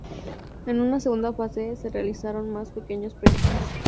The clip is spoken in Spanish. En una segunda fase, se realizaron más pequeños proyectos.